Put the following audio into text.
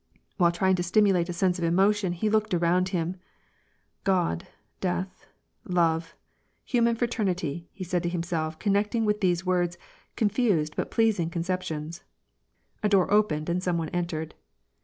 While trying to stimulate a sense of emotion, he looked around him :" God, death, love, human fraternity," he said to himself, connecting with these words confused but pleasing concep tions. A door opened, and some one entered.